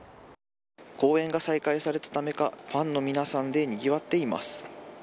公演が再開されたためかファンの皆さんでにぎわっています。